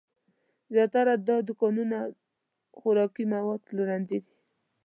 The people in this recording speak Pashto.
زیاتره دا دوکانونه خوراکي مواد پلورنځي دي.